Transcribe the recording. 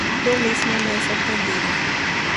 Yo mismo me he sorprendido.